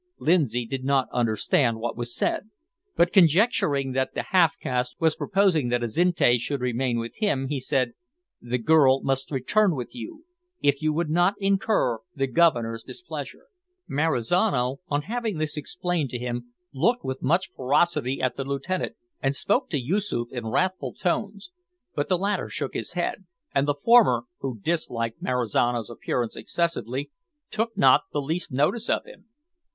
Lindsay did not understand what was said, but, conjecturing that the half caste was proposing that Azinte should remain with him, he said: "The girl must return with you if you would not incur the Governor's displeasure." Marizano, on having this explained to him, looked with much ferocity at the lieutenant and spoke to Yoosoof in wrathful tones, but the latter shook his head, and the former, who disliked Marizano's appearance excessively, took not the least notice of him.